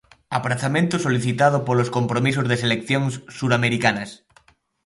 Aprazamento solicitado polos compromisos de seleccións suramericanas.